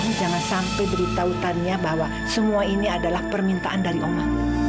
kamu jangan sampai beritahu tania bahwa semua ini adalah permintaan dari oma